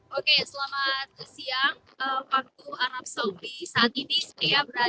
oke selamat siang